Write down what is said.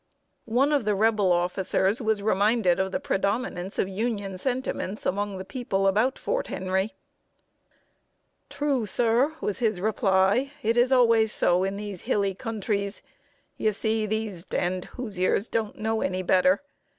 One of the Rebel officers was reminded of the predominance of Union sentiments among the people about Fort Henry. "True, sir," was his reply. "It is always so in these hilly countries. You see, these d d Hoosiers don't know any better.